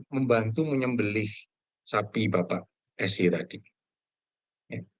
membantu menyembelih sapi bapak sj